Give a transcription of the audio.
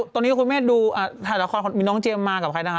ตอนนี้คุณแม่ดูถ่ายละครมีน้องเจมส์มากับใครนะคะ